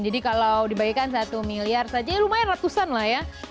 jadi kalau dibagikan satu miliar saja lumayan ratusan lah ya